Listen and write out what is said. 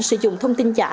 sử dụng thông tin giả